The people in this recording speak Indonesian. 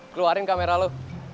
keluarin kamera lo